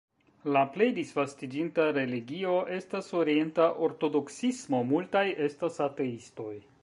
La plej disvastiĝinta religio estas orienta ortodoksismo, multaj estas ateistoj.